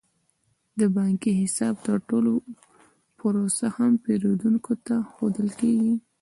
د بانکي حساب د تړلو پروسه هم پیرودونکو ته ښودل کیږي.